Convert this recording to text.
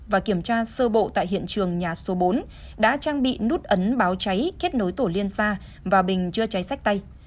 và kiểm tra sơ bộ tại hiện trường nhà số bốn đã trang bị nút ấn báo cháy kết nối tổ liên xa và bình chữa cháy sách tay